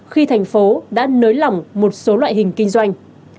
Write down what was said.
khi thành phố đã nới lỏng một số loại hình kinh doanh